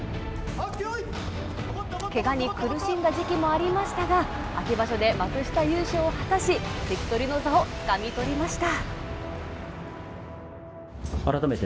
けがに苦しんだ時期もありましたが、秋場所で幕下優勝を果たし関取の座をつかみ取りました。